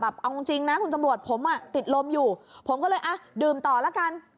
เอาจริงนะคุณตำรวจผมอ่ะติดลมอยู่ผมก็เลยอ่ะดื่มต่อละกัน